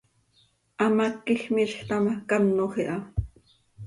Hamác quij miizj taa ma, canoj iha.